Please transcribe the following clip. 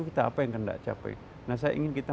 kita apa yang kendak capai nah saya ingin kita